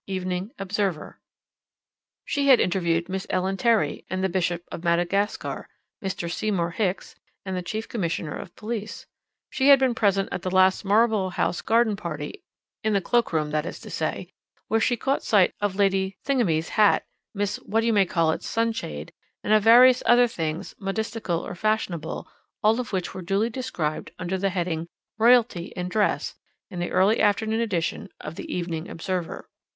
Evening Observer.] She had interviewed Miss Ellen Terry and the Bishop of Madagascar, Mr. Seymour Hicks and the Chief Commissioner of Police. She had been present at the last Marlborough House garden party in the cloak room, that is to say, where she caught sight of Lady Thingummy's hat, Miss What you may call's sunshade, and of various other things modistical or fashionable, all of which were duly described under the heading "Royalty and Dress" in the early afternoon edition of the Evening Observer.